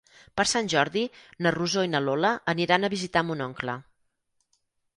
Per Sant Jordi na Rosó i na Lola aniran a visitar mon oncle.